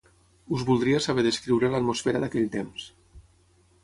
Us voldria saber descriure l'atmosfera d'aquell temps